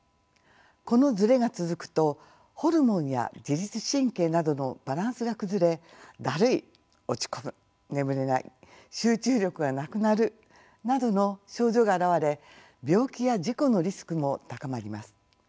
このズレが続くとホルモンや自律神経などのバランスが崩れだるい落ち込む眠れない集中力がなくなるなどの症状が現れ病気や事故のリスクも高まります。